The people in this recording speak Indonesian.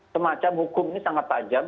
semacam hukum ini sangat tajam